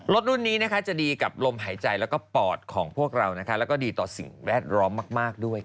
รุ่นนี้จะดีกับลมหายใจแล้วก็ปอดของพวกเราแล้วก็ดีต่อสิ่งแวดล้อมมากด้วย